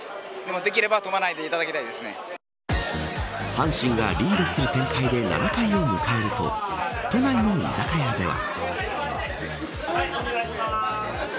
阪神がリードする展開で７回を迎えると都内の居酒屋では。